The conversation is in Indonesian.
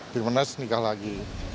di menes nikah lagi